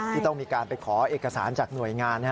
ที่ต้องมีการไปขอเอกสารจากหน่วยงาน